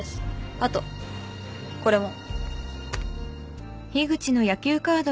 あとこれも。